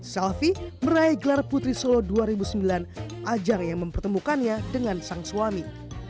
selvi meraih gelar putri solo dua ribu sembilan ajang yang mempertemukannya dengan sang suami